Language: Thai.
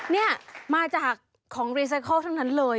นี่มาจากของรีไซเคิลทั้งนั้นเลย